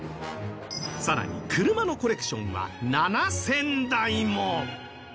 更に、車のコレクションは７０００台も。